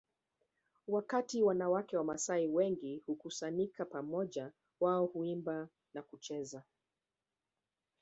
Wakati wanawake wamasai wengi hukusanyika pamoja wao huimba na kucheza